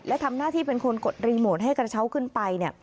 และทำหน้าที่เป็นคนกดรีโมทให้กระเช้าขึ้นไป